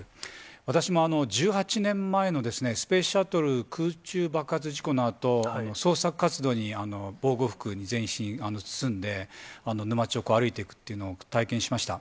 私も１８年前のスペースシャトル空中爆発事故のあと、捜索活動に防護服に全身包んで、沼地を歩いていくというのを体験しました。